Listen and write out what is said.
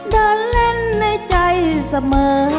เดินเล่นในใจเสมอ